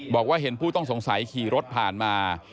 บอกว่าเห็นผู้ต้องสงสัยขี่รถผ่านมา